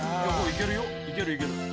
いけるいける。